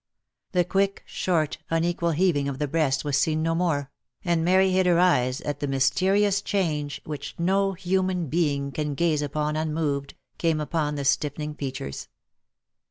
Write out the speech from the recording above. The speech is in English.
The quick, short, unequal heaving of the breast was seen no more, and Mary hid her eyes as the mysterious change, which no human being can gaze upon unmoved, came upon the stiffening features.